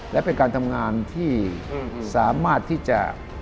และเป็นการทำงานที่สามารถที่จะ